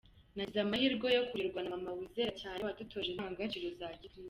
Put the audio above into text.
Nagize amahirwe yo kurerwa na mama wizera cyane, wadutoje indangagaciro za gikirisitu.